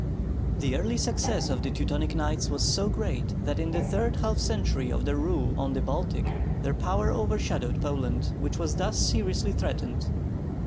The early success of the Teutonic Knights was so great that in the third half century of their rule on the Baltic their power overshadowed Poland, which was thus seriously threatened.